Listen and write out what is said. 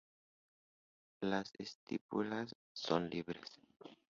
Las estípulas son libres.